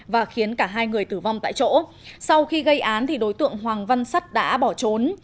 và khiến cả hai người tử vong tại chỗ sau khi gây án thì đối tượng hoàng văn sắt đã bỏ trốn